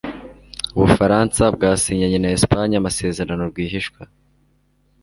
Ubufaransa bwasinyanye na Espagne amasezerano rwihishwa.